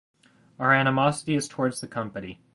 Our animosity is towards the company.